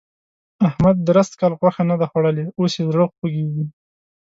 احمد درست کال غوښه نه ده خوړلې؛ اوس يې زړه خوږېږي.